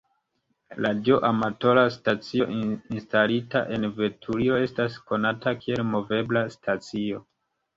Radioamatora stacio instalita en veturilo estas konata kiel movebla stacio.